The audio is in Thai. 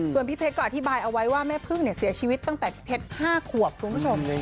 ส่วนพี่เพชรก็อธิบายเอาไว้ว่าแม่พึ่งเสียชีวิตตั้งแต่เพชร๕ขวบคุณผู้ชม